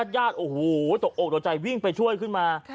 ญาติโอ้โหตกอกตกใจวิ่งไปช่วยขึ้นมา